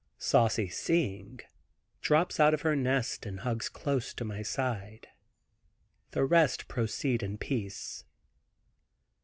Saucy seeing, drops out of her nest and hugs close to my side; the rest proceed in peace.